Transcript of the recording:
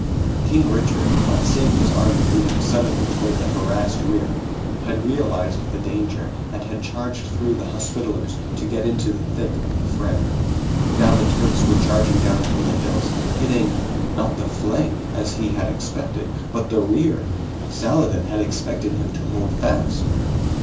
King Richard, on seeing his army moving suddenly toward the harassed rear, had realized the danger and had charged through the Hospitallers to get into the thick of the fray. Now the Turks were charging down from the hills, hitting not the flank as he had expected, but the rear! Saladin had expected him to hold fast!